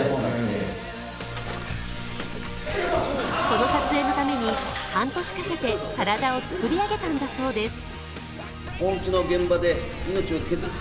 この撮影のために半年かけて体を作り上げたんだそうです。